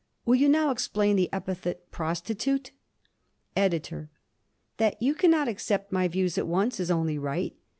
Will you now explain the epithet "prostitute"? EDITOR: That you cannot accept my views at once is only right.